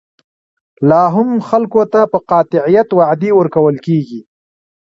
لا هم خلکو ته په قاطعیت وعدې ورکول کېږي.